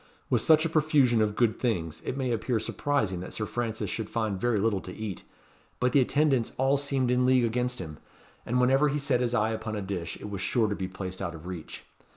With such a profusion of good things, it may appear surprising that Sir Francis should find very little to eat; but the attendants all seemed in league against him, and whenever he set his eye upon a dish, it was sure to be placed out of reach.